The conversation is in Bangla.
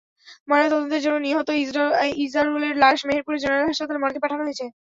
ময়নাতদন্তের জন্য নিহত ইজারুলের লাশ মেহেরপুরে জেনারেল হাসপাতালের মর্গে পাঠানো হয়েছে।